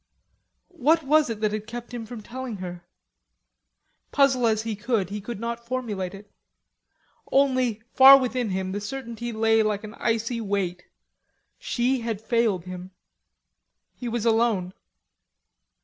What was it that had kept him from telling her? Puzzle as he would, he could not formulate it. Only, far within him, the certainty lay like an icy weight: she had failed him. He was alone.